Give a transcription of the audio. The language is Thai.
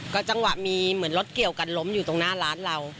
จังหวะมีเหมือนรถเกี่ยวกันล้มอยู่ตรงหน้าร้านเรา